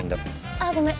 ああごめん。